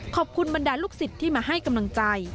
บรรดาลูกศิษย์ที่มาให้กำลังใจ